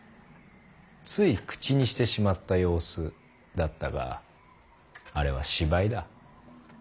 つい口にしてしまった様子だったがあれは芝居だ。